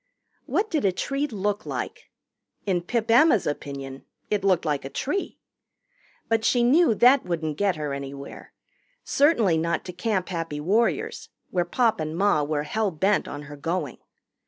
What did a tree look like? In Pip Emma's opinion it looked like a tree. But she knew that wouldn't get her anywhere certainly not to Camp Happy Warriors, where Pop and Ma were hell bent on her going.